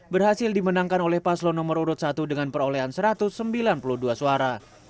berhasil dimenangkan oleh paslon nomor urut satu dengan perolehan satu ratus sembilan puluh dua suara